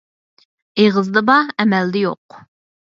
ئېغىزدا بار، ئەمەلدە يوق.